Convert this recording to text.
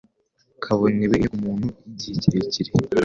kabonewe inyokomuntu yigihe kirerekire